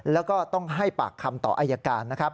แล้วก็ต้องให้ปากคำต่ออายการนะครับ